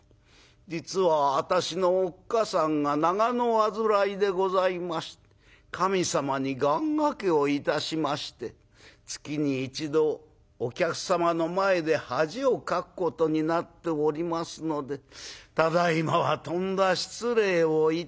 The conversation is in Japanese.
実は私のおっ母さんが長の患いでございまして神様に願がけをいたしまして月に一度お客様の前で恥をかくことになっておりますのでただいまはとんだ失礼をいたしました」。